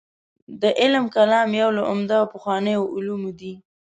د کلام علم یو له عمده او پخوانیو علومو دی.